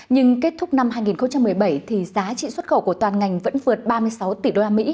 nhưng kết thúc năm hai nghìn một mươi bảy thì giá trị xuất khẩu của toàn ngành vẫn vượt ba mươi sáu tỷ usd